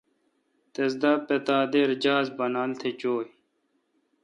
تس دا پتا دے جہاز بانال تھ چویں ۔